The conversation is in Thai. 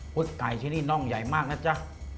ก๋วยไก่ชิ้นนี่น่องใหญ่มากนะจ๊ะ